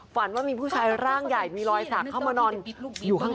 ฝันว่ามีผู้ชายร่างใหญ่มีรอยสักเข้ามานอนอยู่ข้าง